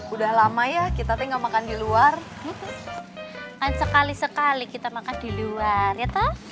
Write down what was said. udah lama ya kita tinggal makan di luar kan sekali sekali kita makan di luar ya tau